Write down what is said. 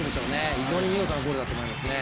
非常に見事なゴールだと思いますね。